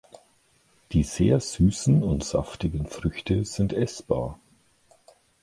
Die sehr süßen und saftigen Früchte sind essbar.